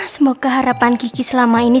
semoga harapan kiki selama ini